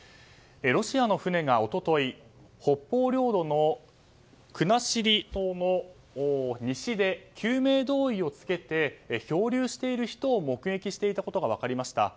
ロシアの船が一昨日北方領土の国後島の西で救命胴衣を着けて漂流している人を目撃していたことが分かりました。